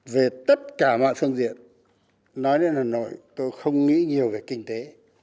về tất cả mọi phương diện nói đến hà nội tôi không nghĩ nhiều về kinh tế